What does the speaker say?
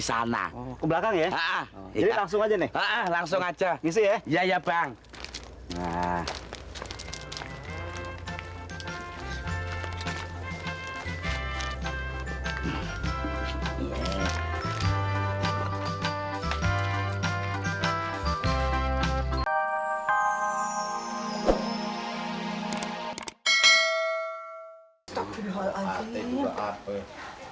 sana ke belakang ya langsung aja nih langsung aja isi ya ya ya bang nah